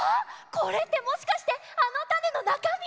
これってもしかしてあのタネのなかみ！？